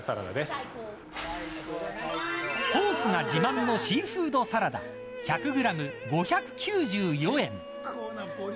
ソースが自慢のシーフードサラダ１００グラム５９４円。